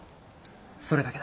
それだけだ。